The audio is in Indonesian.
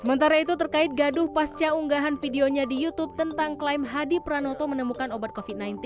sementara itu terkait gaduh pasca unggahan videonya di youtube tentang klaim hadi pranoto menemukan obat covid sembilan belas